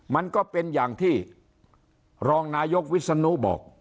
มันก็เป็นอย่างที่รองนายกวิศนุบอก